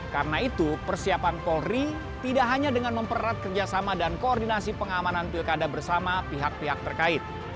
karena itu persiapan polri tidak hanya dengan memperat kerjasama dan koordinasi pengamanan pilkada bersama pihak pihak terkait